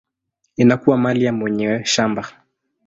inakuwa mali ya mwenye shamba.